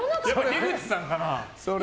樋口さんかな。